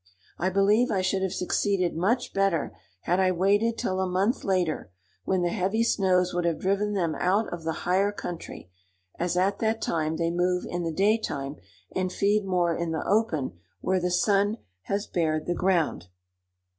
I believe I should have succeeded much better had I waited till a month later, when the heavy snows would have driven them out of the higher country, as at that time they move in the daytime, and feed more in the open where the sun has bared the ground.